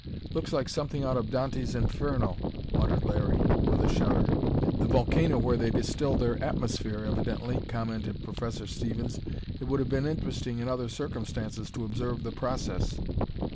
"Looks like something out of Dante's 'Inferno'!" muttered Larry, with a shudder. "The volcano where they distill their atmosphere, evidently," commented Professor Stevens. "It would have been interesting, in other circumstances, to observe the process."